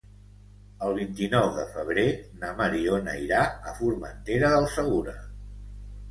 El vint-i-nou de febrer na Mariona irà a Formentera del Segura.